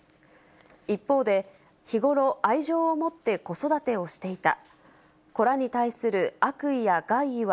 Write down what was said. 一方で、日頃愛情を持って子育てをしていた。